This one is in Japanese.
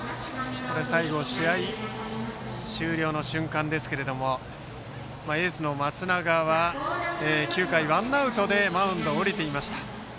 最後、試合終了の瞬間をご覧いただいていますがエースの松永は９回ワンアウトでマウンドを降りていました。